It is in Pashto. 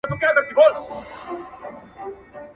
د حُسن وږم دې د سترگو زمانه و نه خوري,